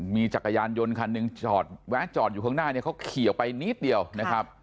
มีจักรยานยนต์คันหนึ่งจอดแวะจอดอยู่ข้างหน้าเนี่ยเขาขี่ออกไปนิดเดียวนะครับ